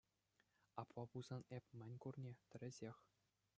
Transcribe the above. Апла пулсан эп мӗн курни – тӗрӗсех.